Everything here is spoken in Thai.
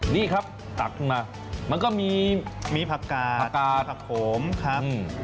นี่ครับตักขึ้นมามันก็มีผักกาผักกาผักโขมครับ